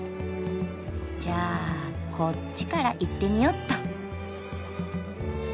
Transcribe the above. じゃあこっちから行ってみようっと。